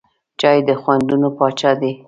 چای د خوندونو پاچا دی.